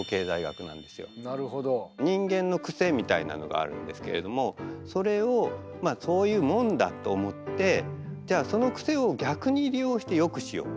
人間のクセみたいなのがあるんですけれどもそれをそういうもんだと思ってじゃあそのクセを逆に利用してよくしよう。